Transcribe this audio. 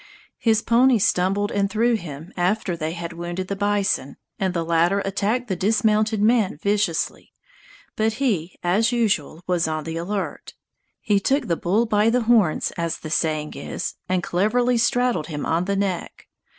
His pony stumbled and threw him, after they had wounded the bison, and the latter attacked the dismounted man viciously. But he, as usual, was on the alert. He "took the bull by the horns", as the saying is, and cleverly straddled him on the neck.